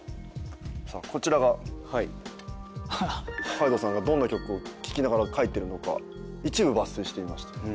さあこちらが海堂さんがどんな曲を聴きながら書いてるのか一部抜粋してみました。